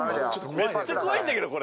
めっちゃ怖いんだけどこれ。